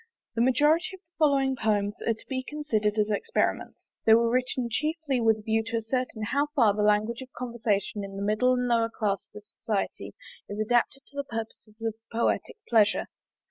The majority of the following poems are to be considered as experiments. They were written chiefly with a view to ascertain how far the language of conversation in the middle and lower classes of society is adapted to the purposes of poetic pleasure.